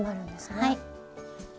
はい。